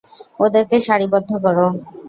ওদেরকে সারিবদ্ধ করো!